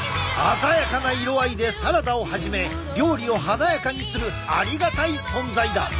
鮮やかな色合いでサラダをはじめ料理を華やかにするありがたい存在だ。